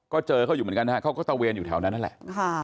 ก็เจอเขาอยู่เหมือนกันฮะเขาก็ตะเวนอยู่แถวนั้นนั่นแหละ